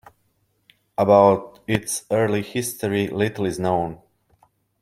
About its early history, little is known.